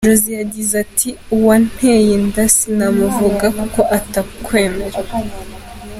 Jozy yagize ati Uwanteye inda sinamuvuga kuko atakwemera.